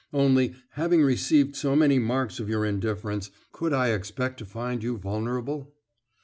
Only, having received so many marks of your indifference, could I expect to find you vulnerable?"